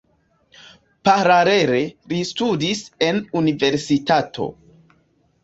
Paralele li studis en universitato.